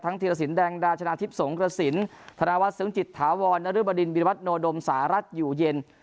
ทั้งเทียสินแดงดาชนะทิพย์สงฆ์สินธนวัฒน์ศึงจิตถาวรนรบรินบิริวัตนโดมสารัสอยู่เย็น